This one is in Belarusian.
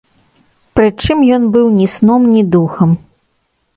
Прычым ён быў ні сном ні духам.